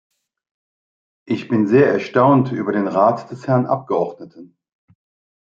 Ich bin sehr erstaunt über den Rat des Herrn Abgeordneten.